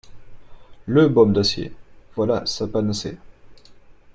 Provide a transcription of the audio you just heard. Le baume d'acier ! voilà sa panacée.